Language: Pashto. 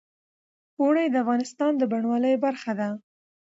اوړي د افغانستان د بڼوالۍ برخه ده.